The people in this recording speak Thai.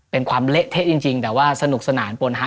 เป็นความเละเทะจริงแต่ว่าสนุกสนานปวนฮา